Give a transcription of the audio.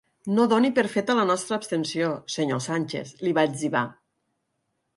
No doni per feta la nostra abstenció, senyor Sánchez, li va etzibar.